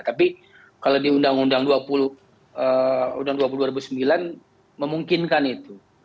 tapi kalau di undang undang dua puluh dua ribu sembilan memungkinkan itu